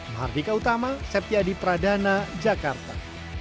mahardika utama septiadi pradana jakarta